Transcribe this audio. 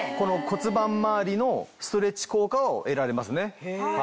骨盤周りのストレッチ効果を得られますね。